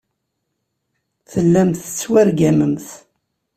Tellamt tettwargamemt.